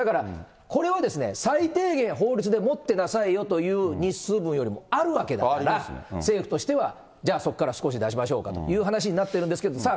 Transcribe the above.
これは、さいていげん法律で持ってなさいよという日数分よりもあるわけだから、政府としてはじゃあそこから少し出しましょうかという話になっているんですが、さあ